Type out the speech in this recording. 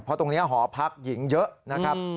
เพราะตรงนี้หอพักหญิงเยอะนะครับ